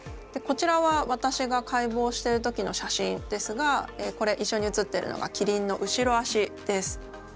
こちらは私が解剖している時の写真ですがこれ一緒に写ってるのがキリンの後ろ足です。